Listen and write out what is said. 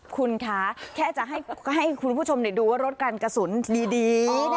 คุณคะแค่จะให้คุณผู้ชมดูว่ารถการกระสุนดี